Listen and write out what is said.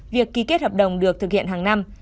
việc ký kết hợp đồng được thực hiện hàng năm